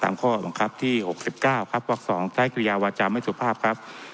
ตามข้อหวังครับที่หกสิบเก้าครับวักสองใต้เกลียวอาจารย์ไม่สุภาพครับ